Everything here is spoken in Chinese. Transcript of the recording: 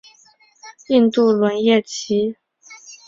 印度轮叶戟为大戟科轮叶戟属下的一个种。